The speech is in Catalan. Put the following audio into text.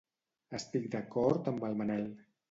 Estic d'acord amb el Manel.